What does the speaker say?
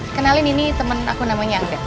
kenalin ini temen aku namanya atlet